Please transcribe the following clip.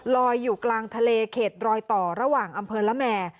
ลอยอยู่กลางทะเลเขตรอยต่อระหว่างอำเภอละแมร์